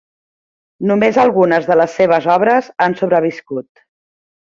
Només algunes de les seves obres han sobreviscut.